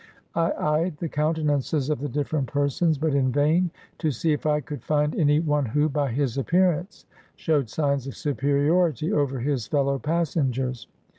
I eyed the countenances of the different persons, but in vain, to see if I could find any one who, by his appearance, showed signs of superiority over his fellow passengers.